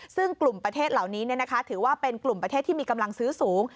ซึ่งกลุ่มประเทศเหล่านี้ถือว่าเป็นกลุ่มประเทศที่มีกำลังซื้อสูง